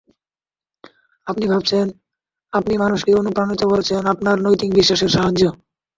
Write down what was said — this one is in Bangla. আপনি ভাবছেন, আপনি মানুষকে অনুপ্রাণিত করছেন আপনার নৈতিক বিশ্বাসের সাহায্যে!